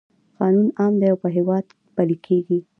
قانون عام دی او په هیواد پلی کیږي.